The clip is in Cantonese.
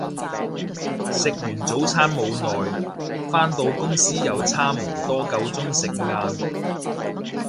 食完早餐冇耐，返到公司又差唔多夠鐘食晏